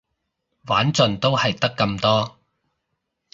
玩盡都係得咁多